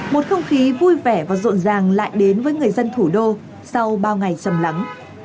một không khí vui vẻ và rộn ràng lại đến với người dân thủ đô sau bao ngày sầm lắng